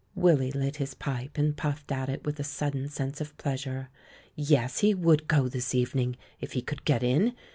Willy lit his pipe, and puffed at it with a sud den sense of pleasure. Yes, he would go this eve ning, if he could get in